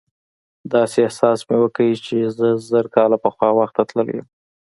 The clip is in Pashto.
داسې احساس مې وکړ چې زه زر کاله پخوا وخت ته تللی یم.